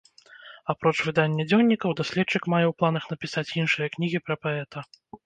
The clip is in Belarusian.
Апроч выдання дзённікаў, даследчык мае ў планах напісаць іншыя кнігі пра паэта.